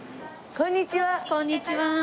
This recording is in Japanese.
こんにちは。